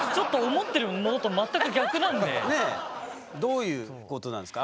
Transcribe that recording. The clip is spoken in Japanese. どういうことなんですか？